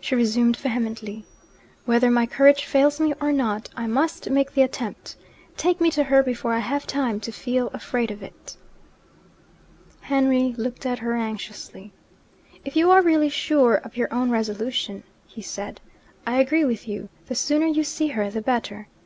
she resumed vehemently. 'Whether my courage fails me or not, I must make the attempt. Take me to her before I have time to feel afraid of it!' Henry looked at her anxiously. 'If you are really sure of your own resolution,' he said, 'I agree with you the sooner you see her the better.